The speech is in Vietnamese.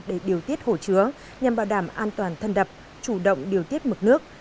để điều tiết hồ chứa nhằm bảo đảm an toàn thân đập chủ động điều tiết mực nước